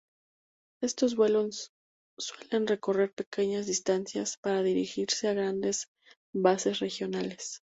Estos vuelos suelen recorrer pequeñas distancias para dirigirse a grandes bases regionales.